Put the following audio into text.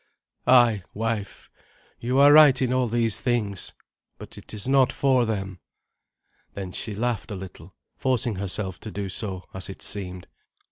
"Ay, wife; you are right in all these things, but it is not for them." Then she laughed a little, forcing herself to do so, as it seemed.